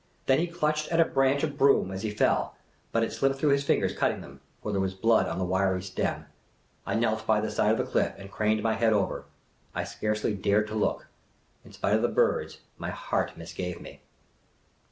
Then he clutched at a branch of broom as he fell ; but it slipped through his fingers, cutting them ; for there was blood on the \vir3' stem. I knelt by the side of the cliff and craned my head over. I scarcely dared to look. In spite of the birds, my heart mis gave me.